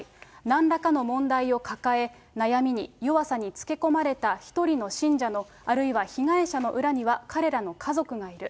なんらかの問題を抱え、悩みに、弱さにつけ込まれた１人の信者の、あるいは被害者の裏には彼らの家族がいる。